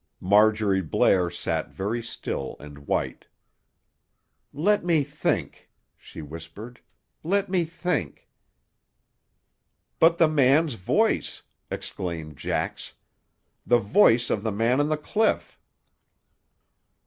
Marjorie Blair sat very still and white. "Let me think!" she whispered. "Let me think!" "But the man's voice!" exclaimed Jax. "The voice of the man on the cliff!"